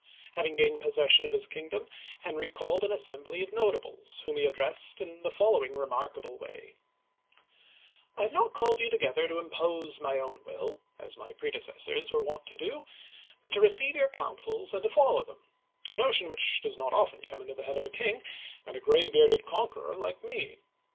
Having gained possession of his kingdom, Henry called an assembly of notables, whom he addressed in the follow ing remarkable way :" I have not called you together to impose my own will, as my predecessors were wont to do, but to receive your counsels and to follow them, a notion which does not often come into the head of a king, and a gray bearded conqueror like me.